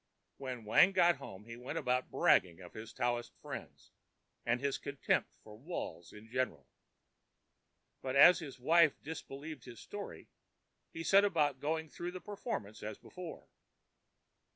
When Wang got home, he went about bragging of his Taoist friends and his contempt for walls in general; but as his wife disbelieved his story, he set about going through the performance as before.